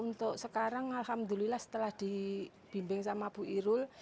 untuk sekarang alhamdulillah setelah dibimbing sama bu irul